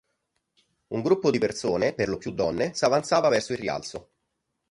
Un gruppo di persone, per lo più donne, s'avanzava verso il rialzo.